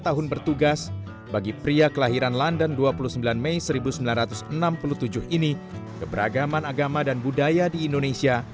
tahun bertugas bagi pria kelahiran london dua puluh sembilan mei seribu sembilan ratus enam puluh tujuh ini keberagaman agama dan budaya di indonesia